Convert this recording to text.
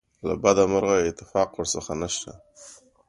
له بده مرغه اتفاق ورڅخه نشته.